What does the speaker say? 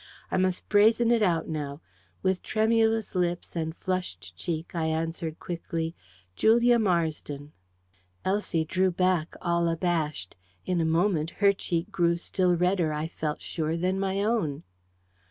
I must brazen it out now. With tremulous lips and flushed cheek, I answered quickly, "Julia Marsden." Elsie drew back, all abashed. In a moment her cheek grew still redder, I felt sure, than my own.